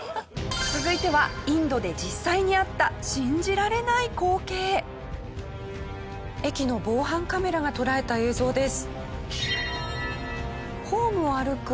続いてはインドで実際にあった駅の防犯カメラが捉えた映像です。